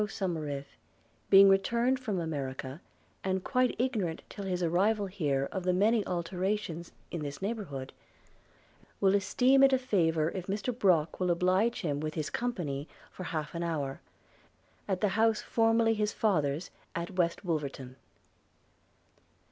Somerive being returned from America, and quite ignorant till his arrival here of the many alterations in this neighbourhood, will esteem it a favour if Mr Brock will oblige him with his company for half an hour – at the house formerly his father's, at West Wolverton.